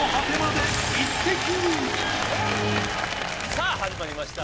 さぁ始まりました